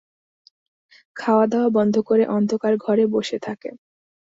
খাওয়াদাওয়া বন্ধ করে অন্ধকার ঘরে বসে থাকে।